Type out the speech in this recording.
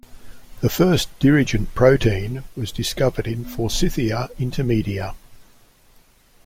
The first dirigent protein was discovered in "Forsythia intermedia".